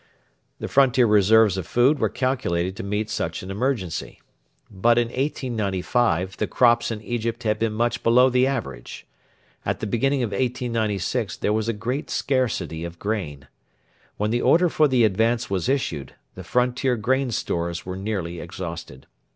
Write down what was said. The frontier reserves of food were calculated to meet such an emergency. But in 1895 the crops in Egypt had been much below the average. At the beginning of 1896 there was a great scarcity of grain. When the order for the advance was issued, the frontier grain stores were nearly exhausted.